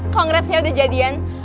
congrats ya udah jadian